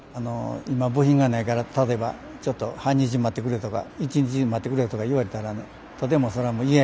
今部品がないから例えばちょっと半日待ってくれとか１日待ってくれとか言われたらとても嫌やからね。